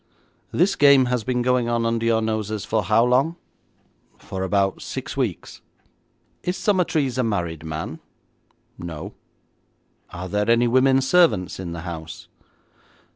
'This game has been going on under your noses for how long?' 'For about six weeks.' 'Is Summertrees a married man?' 'No.' 'Are there any women servants in the house?'